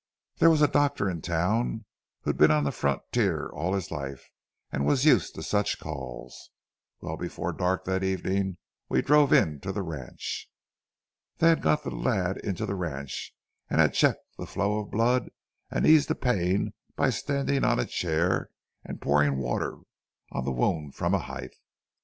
There was a doctor in the town who'd been on the frontier all of his life, and was used to such calls. Well, before dark that evening we drove into the ranch. "They had got the lad into the ranch, had checked the flow of blood and eased the pain by standing on a chair and pouring water on the wound from a height.